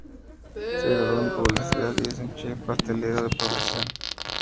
Se graduó en Publicidad y es un chef pastelero de profesión.